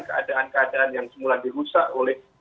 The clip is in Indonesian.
keadaan keadaan yang semula dirusak oleh